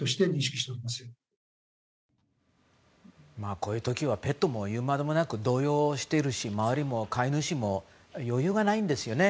こういう時はペットも言うまでもなく動揺しているし周りも飼い主も余裕がないんですよね。